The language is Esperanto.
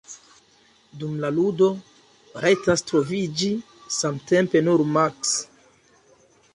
Dum la ludo, rajtas troviĝi samtempe nur maks.